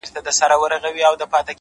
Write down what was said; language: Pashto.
• ه ستا د سترگو احترام نه دی؛ نو څه دی؛